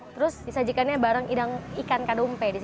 terus disajikannya bareng ikan kadompe